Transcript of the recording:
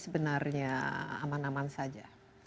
sebenarnya aman aman saja